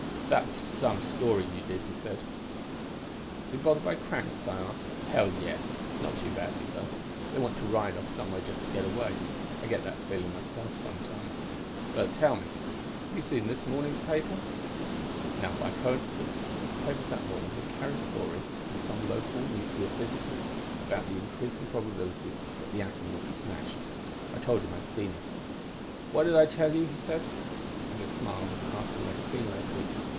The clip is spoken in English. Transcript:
"'That was some story you did,' he said. "'Been bothered by cranks?' I asked. "'Hell, yes! Not too badly, though. They want to ride off somewhere just to get away. I get that feeling myself sometimes. But, tell me, have you seen the morning papers?' "Now, by coincidence, the papers that morning had carried a story from some local nuclear physicist about the increasing probability that the atom would be smashed. I told him I'd seen it. "'What did I tell you?' he said. "I just smiled and asked where he'd been lately.